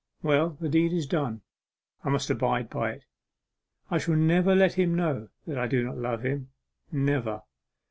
Well, the deed is done I must abide by it. I shall never let him know that I do not love him never.